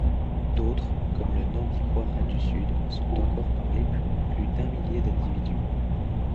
D'autres, comme le Nambikwara du sud, sont encore parlées par plus d'un millier d'individus.